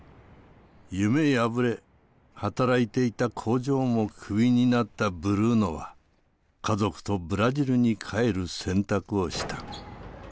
夢破れ働いていた工場もクビになったブルーノは家族とブラジルに帰る選択をした。